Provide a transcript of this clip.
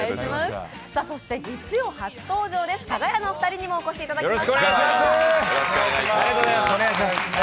そして月曜初登場です、かが屋のお二人にもお越しいただきました。